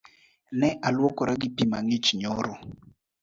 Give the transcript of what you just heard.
Ne alwuokora gi pii mang’ich nyoro